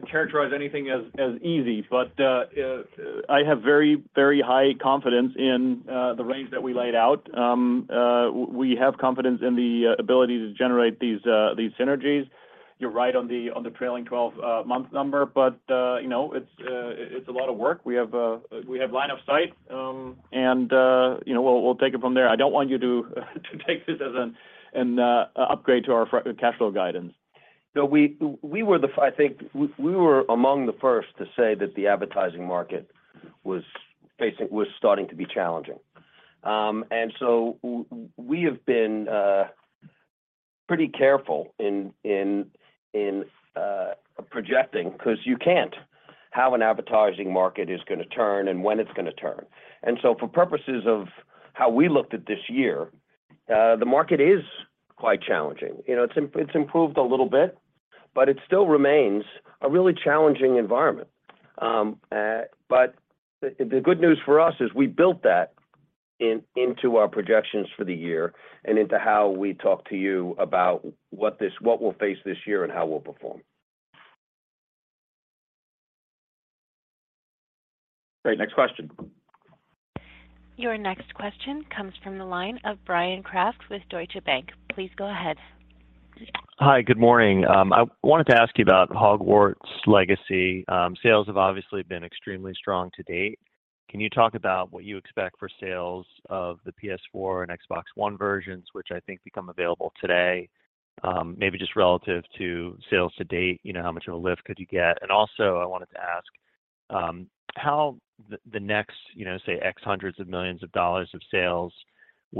characterize anything as easy, but, I have very, very high confidence in the range that we laid out. We have confidence in the ability to generate these synergies. You're right on the trailing 12 month number, but, you know, it's a lot of work. We have line of sight, and, you know, we'll take it from there. I don't want you to take this as an upgrade to our cash flow guidance. I think we were among the first to say that the advertising market was starting to be challenging. We have been pretty careful in projecting because you can't how an advertising market is going to turn and when it's going to turn. For purposes of how we looked at this year, the market is quite challenging. You know, it's improved a little bit, but it still remains a really challenging environment. The good news for us is we built that in, into our projections for the year and into how we talk to you about what we'll face this year and how we'll perform. Great. Next question. Your next question comes from the line of Bryan Kraft with Deutsche Bank. Please go ahead. Hi. Good morning. I wanted to ask you about Hogwarts Legacy. Sales have obviously been extremely strong to date. Can you talk about what you expect for sales of the PS4 and Xbox One versions, which I think become available today, maybe just relative to sales to date, you know, how much of a lift could you get? Also I wanted to ask, how the next, you know, say X hundreds of millions of dollars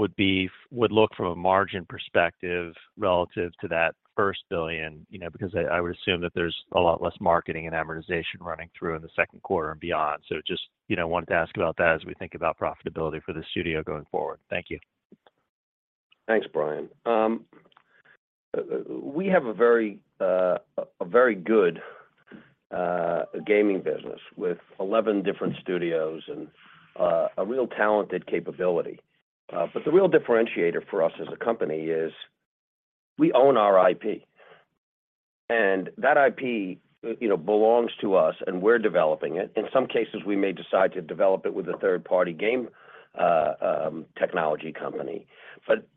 of sales would look from a margin perspective relative to that first $1 billion? You know, because I would assume that there's a lot less marketing and amortization running through in the Q2 and beyond. Just, you know, wanted to ask about that as we think about profitability for the studio going forward. Thank you. Thanks, Bryan. We have a very good gaming business with 11 different studios and a real talented capability. The real differentiator for us as a company is we own our IP, and that IP, you know, belongs to us, and we're developing it. In some cases, we may decide to develop it with a third-party game technology company.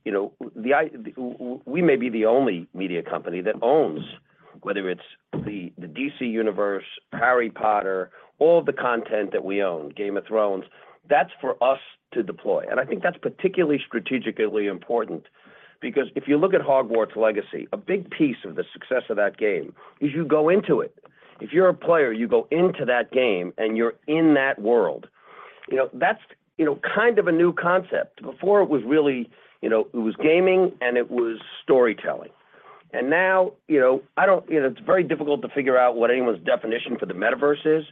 You know, we may be the only media company that owns, whether it's the DC Universe, Harry Potter, all the content that we own, Game of Thrones, that's for us to deploy. I think that's particularly strategically important because if you look at Hogwarts Legacy, a big piece of the success of that game is you go into it. If you're a player, you go into that game, and you're in that world. You know, that's, you know, a new concept. Before it was really, you know, it was gaming, and it was storytelling. Now, you know, I don't. You know, it's very difficult to figure out what anyone's definition for the metaverse is.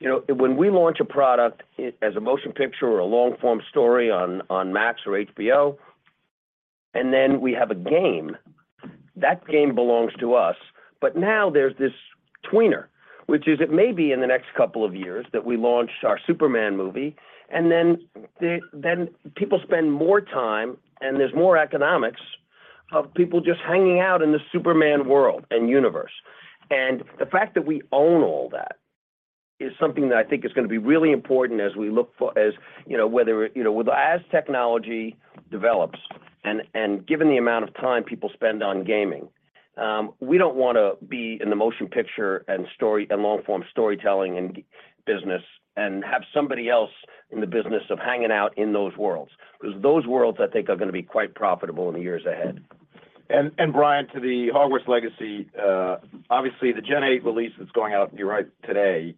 You know, when we launch a product as a motion picture or a long form story on Max or HBO, and then we have a game, that game belongs to us. Now there's this tweener, which is it may be in the next couple of years that we launch our Superman movie, and then people spend more time, and there's more economics of people just hanging out in the Superman world and universe. The fact that we own all that is something that I think is going to be really important as we look for, you know, whether, you know, as technology develops and given the amount of time people spend on gaming, we don't want to be in the motion picture and long form storytelling and business and have somebody else in the business of hanging out in those worlds, because those worlds, I think, are going to be quite profitable in the years ahead. Bryan, to the Hogwarts Legacy, obviously the Gen 8 release that's going out, you're right, today,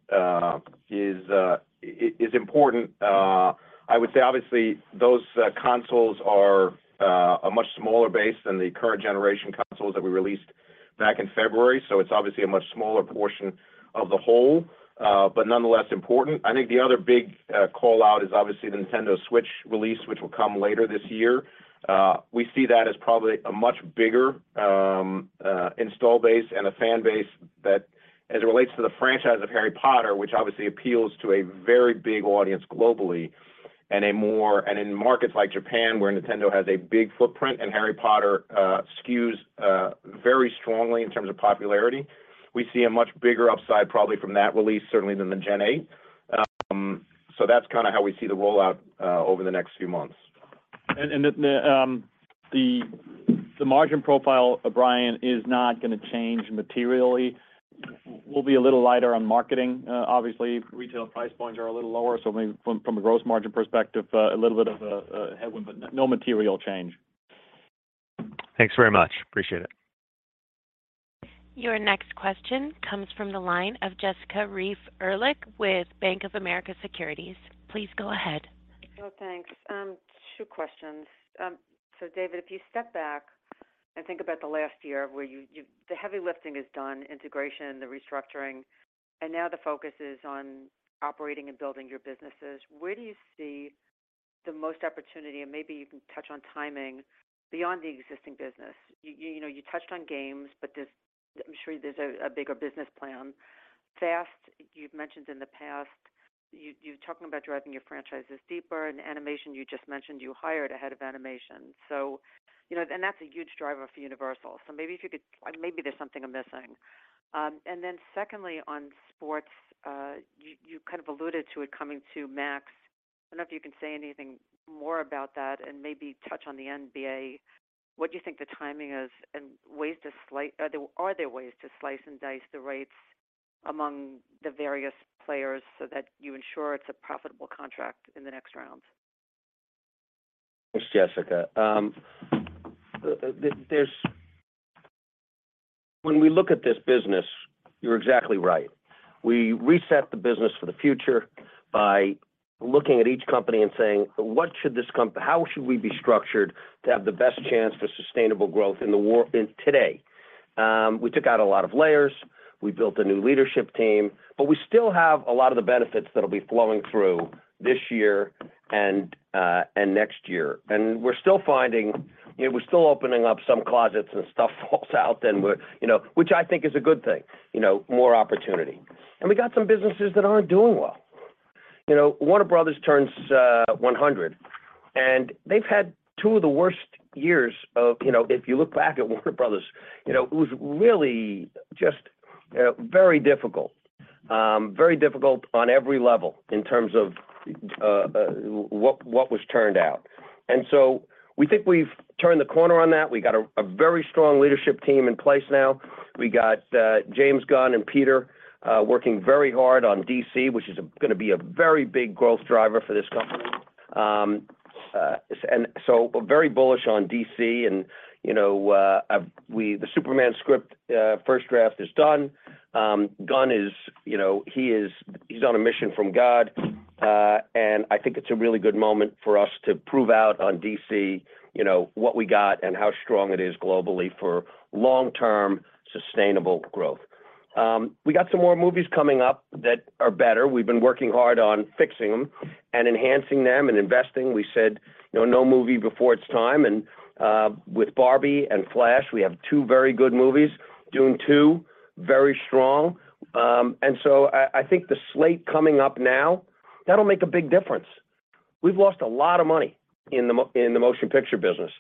is important. I would say obviously those consoles are a much smaller base than the current generation consoles that we released back in February. It's obviously a much smaller portion of the whole, but nonetheless important. I think the other big call-out is obviously the Nintendo Switch release, which will come later this year. We see that as probably a much bigger install base and a fan base that as it relates to the franchise of Harry Potter, which obviously appeals to a very big audience globally and a more... In markets like Japan, where Nintendo has a big footprint and Harry Potter skews very strongly in terms of popularity, we see a much bigger upside probably from that release certainly than the Gen 8. That's how we see the rollout over the next few months. The margin profile, Bryan, is not going to change materially. We'll be a little lighter on marketing. Obviously, retail price points are a little lower, so maybe from a gross margin perspective, a little bit of a headwind, but no material change. Thanks very much. Appreciate it. Your next question comes from the line of Jessica Reif Ehrlich with Bank of America Securities. Please go ahead. Well, thanks. two questions. David, if you step back and think about the last year where the heavy lifting is done, integration, the restructuring, and now the focus is on operating and building your businesses. Where do you see the most opportunity, and maybe you can touch on timing beyond the existing business? You know, you touched on games, but there's I'm sure there's a bigger business plan. FAST, you've mentioned in the past, you're talking about driving your franchises deeper. In animation, you just mentioned you hired a head of animation. You know, and that's a huge driver for Universal. Maybe if you could, maybe there's something I'm missing. Then secondly, on sports, you alluded to it coming to Max. I don't know if you can say anything more about that and maybe touch on the NBA. What do you think the timing is and ways to slice. Are there ways to slice and dice the rates among the various players so that you ensure it's a profitable contract in the next round? Thanks, Jessica. There's... When we look at this business, you're exactly right. We reset the business for the future by looking at each company and saying, "What should How should we be structured to have the best chance for sustainable growth in today?" We took out a lot of layers. We built a new leadership team, but we still have a lot of the benefits that'll be flowing through this year and next year. We're still finding, you know, we're still opening up some closets, and stuff falls out, and we're, you know... Which I think is a good thing, you know, more opportunity. We got some businesses that aren't doing well. You know, Warner Bros. turns 100, and they've had two of the worst years of, you know, if you look back at Warner Bros., you know, it was really just very difficult. Very difficult on every level in terms of what was turned out. So we think we've turned the corner on that. We got a very strong leadership team in place now. We got James Gunn and Peter working very hard on DC, which is going to be a very big growth driver for this company. So we're very bullish on DC, and, you know, the Superman script, first draft is done. Gunn is, you know, he's on a mission from God, I think it's a really good moment for us to prove out on DC, you know, what we got and how strong it is globally for long-term sustainable growth. We got some more movies coming up that are better. We've been working hard on fixing them and enhancing them and investing. We said, you know, no movie before its time, With Barbie and Flash, we have two very good movies. Dune 2, very strong. I think the slate coming up now, that'll make a big difference. We've lost a lot of money in the motion picture business,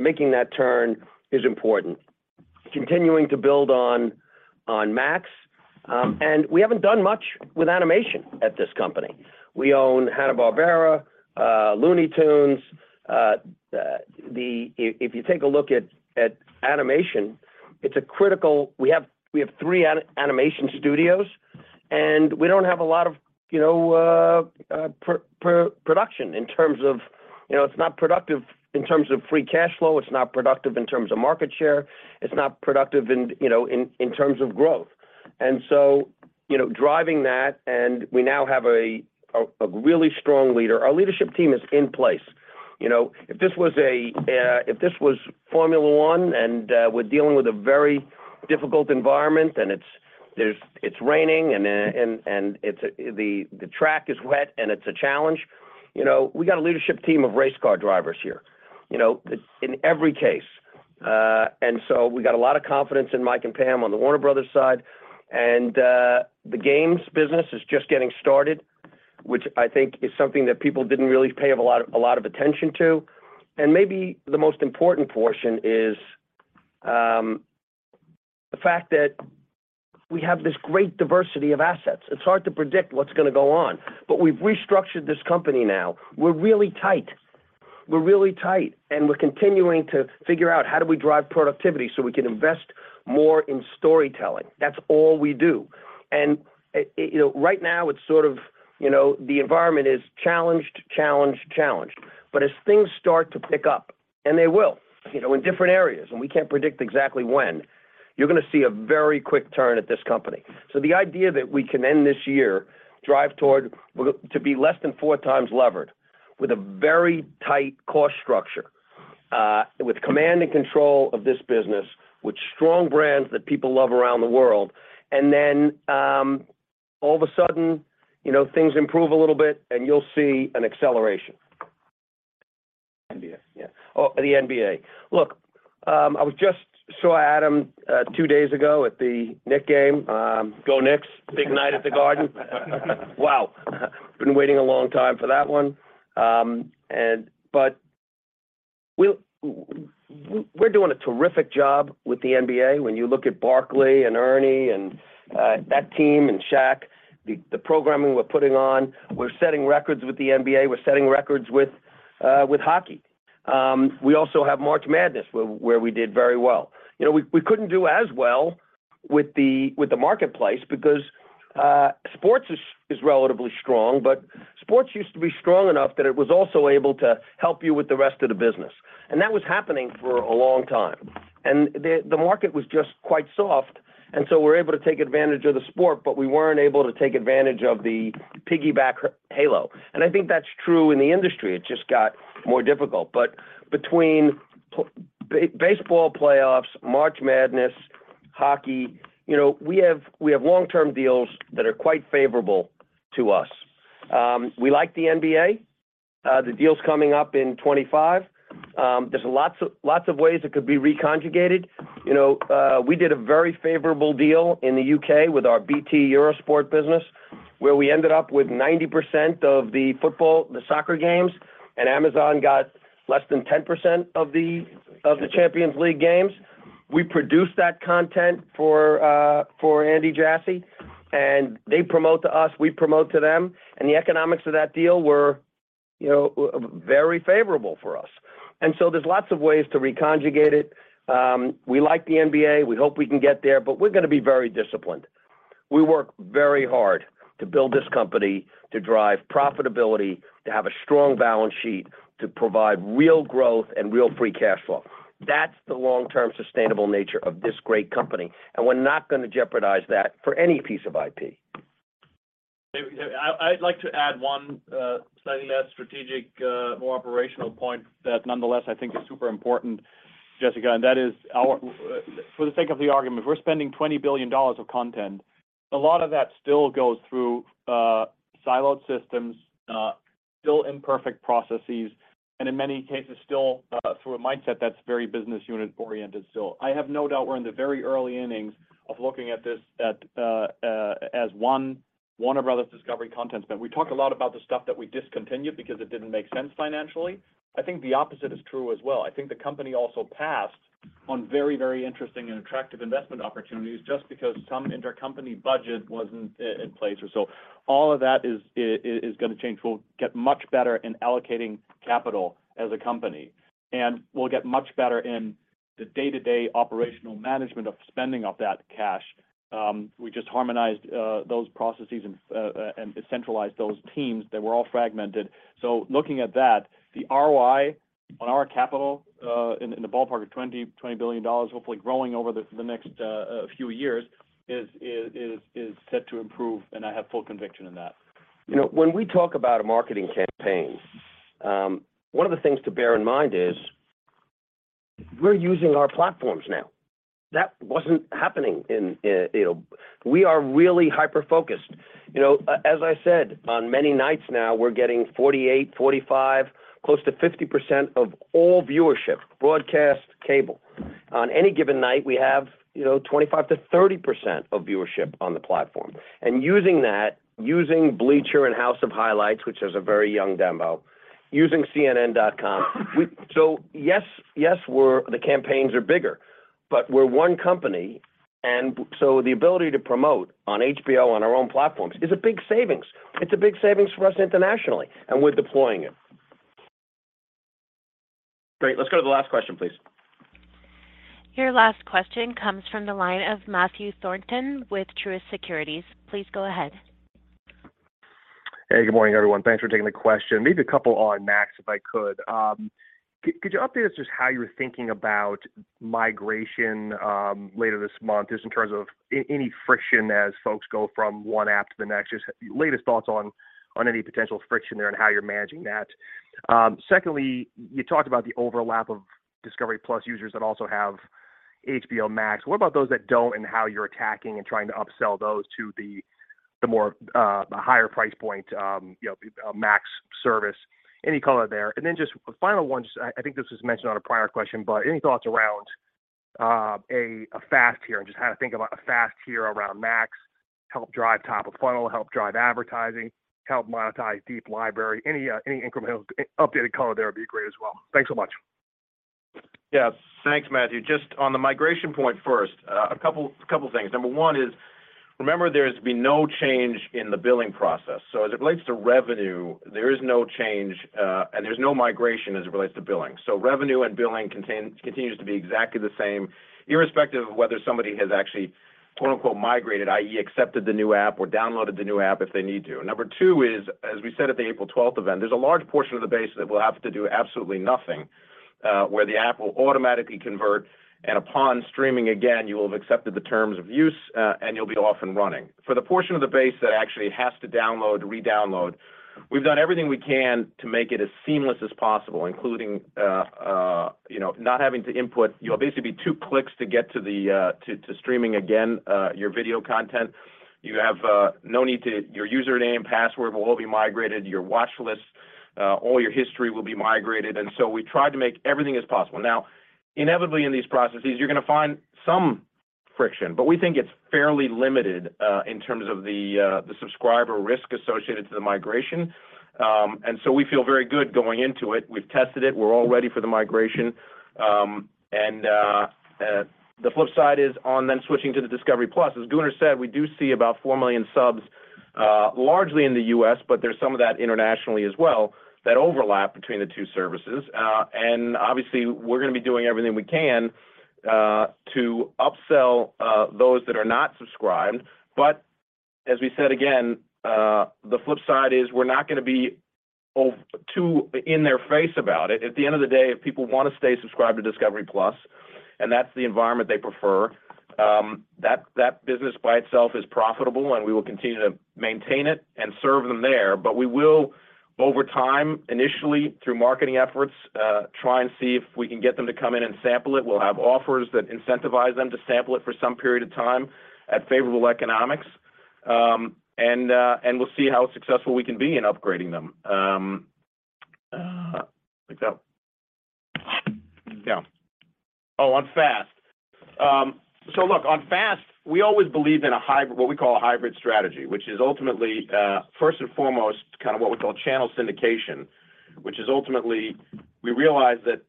Making that turn is important. Continuing to build on Max, We haven't done much with animation at this company. We own Hanna-Barbera, Looney Tunes. If you take a look at animation, it's a critical. We have three animation studios, and we don't have a lot of, you know, production in terms of, you know, it's not productive in terms of free cash flow. It's not productive in terms of market share. It's not productive in, you know, in terms of growth. You know, driving that, and we now have a really strong leader. Our leadership team is in place. You know, if this was a if this was Formula One, and we're dealing with a very difficult environment, and it's, there's, it's raining, and and it's the track is wet, and it's a challenge. You know, we got a leadership team of race car drivers here, you know, in every case. So we got a lot of confidence in Mike and Pam on the Warner Bros. side. The games business is just getting started, which I think is something that people didn't really pay a lot of attention to. Maybe the most important portion is the fact that we have this great diversity of assets. It's hard to predict what's going to go on, but we've restructured this company now. We're really tight. We're really tight, and we're continuing to figure out how do we drive productivity so we can invest more in storytelling. That's all we do. You know, right now it's, you know, the environment is challenged, challenged. As things start to pick up, and they will, you know, in different areas, and we can't predict exactly when, you're going to see a very quick turn at this company. The idea that we can end this year, drive toward, we're to be less than 4x levered with a very tight cost structure, with command and control of this business, with strong brands that people love around the world, then, all of a sudden, you know, things improve a little bit, and you'll see an acceleration. NBA. Yeah. Oh, the NBA. Look, I saw Adam 2 days ago at the Knick game. Go Knicks. Big night at the Garden. Wow. Been waiting a long time for that one. We're doing a terrific job with the NBA. When you look at Barkley and Ernie and that team and Shaq, the programming we're putting on, we're setting records with the NBA, we're setting records with hockey. We also have March Madness where we did very well. You know, we couldn't do as well with the marketplace because sports is relatively strong, but sports used to be strong enough that it was also able to help you with the rest of the business. That was happening for a long time. The market was just quite soft, we're able to take advantage of the sport, but we weren't able to take advantage of the piggyback halo. I think that's true in the industry. It just got more difficult. Between baseball playoffs, March Madness, hockey, you know, we have long-term deals that are quite favorable to us. We like the NBA, the deal's coming up in 25. There's lots of ways it could be reconjugated. You know, we did a very favorable deal in the UK with our BT Eurosport business, where we ended up with 90% of the football, the soccer games, and Amazon got less than 10% of the Champions League games. We produced that content for Andy Jassy. They promote to us, we promote to them, and the economics of that deal were, you know, very favorable for us. There's lots of ways to reconjugate it. We like the NBA. We hope we can get there, but we're going to be very disciplined. We work very hard to build this company, to drive profitability, to have a strong balance sheet, to provide real growth and real free cash flow. That's the long-term sustainable nature of this great company. We're not going to jeopardize that for any piece of IP. David, I'd like to add one slightly less strategic, more operational point that nonetheless I think is super important, Jessica, and that is For the sake of the argument, we're spending $20 billion of content. A lot of that still goes through siloed systems, still imperfect processes, and in many cases, still through a mindset that's very business unit-oriented still. I have no doubt we're in the very early innings of looking at this, at as one of rather Discovery contents. We talked a lot about the stuff that we discontinued because it didn't make sense financially. I think the opposite is true as well. I think the company also passed on very, very interesting and attractive investment opportunities just because some intercompany budget wasn't in place or so. All of that is going to change. We'll get much better in allocating capital as a company, we'll get much better in the day-to-day operational management of spending of that cash. We just harmonized those processes and decentralized those teams that were all fragmented. Looking at that, the ROI on our capital in the ballpark of $20 billion, hopefully growing over the next few years, is set to improve, and I have full conviction in that. You know, when we talk about a marketing campaign, one of the things to bear in mind is we're using our platforms now. That wasn't happening. You know, we are really hyper-focused. You know, as I said, on many nights now, we're getting 48, 45, close to 50% of all viewership, broadcast, cable. On any given night, we have, you know, 25%-30% of viewership on the platform. Using that, using Bleacher and House of Highlights, which has a very young demo, using CNN.com, yes, the campaigns are bigger, but we're one company, so the ability to promote on HBO on our own platforms is a big savings. It's a big savings for us internationally, and we're deploying it. Great. Let's go to the last question, please. Your last question comes from the line of Matthew Thornton with Truist Securities. Please go ahead. Hey, good morning, everyone. Thanks for taking the question. Maybe a couple on Max, if I could. Could you update us just how you're thinking about migration later this month, just in terms of any friction as folks go from one app to the next? Just latest thoughts on any potential friction there and how you're managing that. Secondly, you talked about the overlap of discovery+ users that also have HBO Max. What about those that don't and how you're attacking and trying to upsell those to the more, the higher price point, you know, Max service? Any color there. Just final one, I think this was mentioned on a prior question. Any thoughts around a FAST here, and just how to think about a FAST here around Max, help drive top of funnel, help drive advertising, help monetize deep library? Any incremental updated color there would be great as well. Thanks so much. Yes. Thanks, Matthew. Just on the migration point first, a couple things. Number 1 is, remember, there's been no change in the billing process. As it relates to revenue, there is no change, and there's no migration as it relates to billing. Revenue and billing continues to be exactly the same irrespective of whether somebody has actually quote-unquote, "migrated," i.e., accepted the new app or downloaded the new app if they need to. Number 2 is, as we said at the April 12th event, there's a large portion of the base that will have to do absolutely nothing, where the app will automatically convert, and upon streaming again, you will have accepted the terms of use, and you'll be off and running. For the portion of the base that actually has to download, redownload, we've done everything we can to make it as seamless as possible, including, you know, not having to input. You'll basically be 2 clicks to get to the streaming again, your video content. You have no need to. Your username, password will all be migrated. Your watch lists, all your history will be migrated. We tried to make everything as possible. Now, inevitably in these processes, you're going to find some friction. We think it's fairly limited in terms of the subscriber risk associated to the migration. We feel very good going into it. We've tested it. We're all ready for the migration. The flip side is on then switching to the discovery+, as Gunnar said, we do see about 4 million subs, largely in the U.S., but there's some of that internationally as well, that overlap between the two services. Obviously we're going to be doing everything we can, to upsell, those that are not subscribed. As we said again, the flip side is we're not going to be too in their face about it. At the end of the day, if people want to stay subscribed to discovery+, and that's the environment they prefer, that business by itself is profitable and we will continue to maintain it and serve them there. We will over time, initially through marketing efforts, try and see if we can get them to come in and sample it. We'll have offers that incentivize them to sample it for some period of time at favorable economics. We'll see how successful we can be in upgrading them. Next slide. Yeah. On FAST. Look, on FAST, we always believe in what we call a hybrid strategy, which is ultimately, first and foremost, what we call channel syndication, which is ultimately we realize that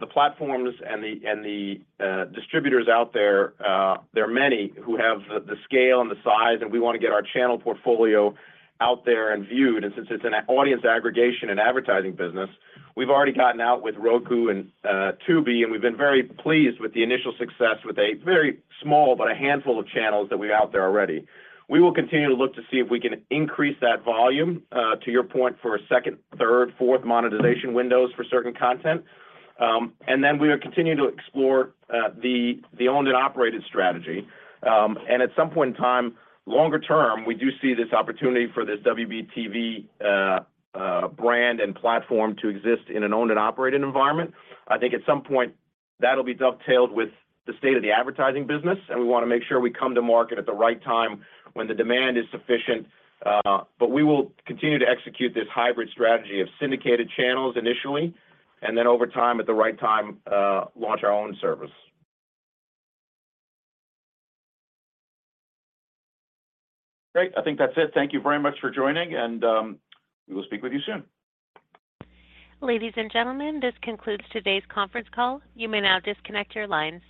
the platforms and the distributors out there are many who have the scale and the size, we want to get our channel portfolio out there and viewed. Since it's an audience aggregation and advertising business, we've already gotten out with Roku and Tubi, and we've been very pleased with the initial success with a very small, but a handful of channels that we have out there already. We will continue to look to see if we can increase that volume to your point, for a second, third, fourth monetization windows for certain content. Then we'll continue to explore the owned and operated strategy. At some point in time, longer term, we do see this opportunity for this WBTV brand and platform to exist in an owned and operated environment. I think at some point that'll be dovetailed with the state of the advertising business, and we want to make sure we come to market at the right time when the demand is sufficient. We will continue to execute this hybrid strategy of syndicated channels initially, and then over time, at the right time, launch our own service. Great. I think that's it. Thank you very much for joining. We will speak with you soon. Ladies and gentlemen, this concludes today's conference call. You may now disconnect your lines.